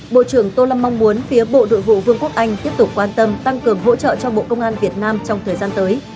bộ trưởng tô lâm mong muốn phía bộ đội vụ vương quốc anh tiếp tục quan tâm tăng cường hỗ trợ cho bộ công an việt nam trong thời gian tới